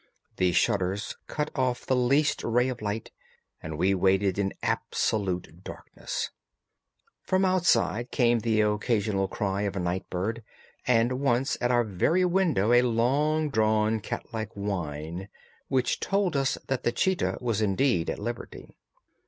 The shutters cut off the least ray of light, and we waited in absolute darkness. From outside came the occasional cry of a night bird, and once at our very window a long drawn catlike whine, which told us that the cheetah was indeed at liberty.